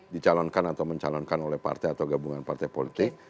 dicalonkan atau mencalonkan oleh partai atau gabungan partai politik